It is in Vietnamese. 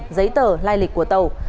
giấy tờ lai lịch của tàu